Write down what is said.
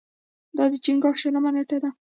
دا د چنګاښ شلمه نېټه ده.